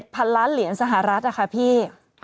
พันล้านเหรียญสหรัฐอะค่ะพี่